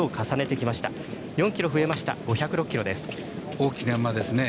大きな馬ですね。